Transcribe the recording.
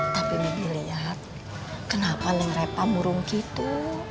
tapi bibi lihat kenapa neng reva murung gitu